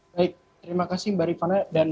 baik terima kasih mbak rifana dan